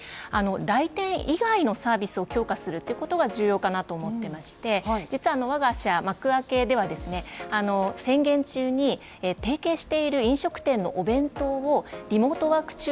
来店以外のサービスを強化するということが重要かなと思っておりまして実は我が社、マクアケでは宣言中に提携している飲食店のお弁当をリモートワーク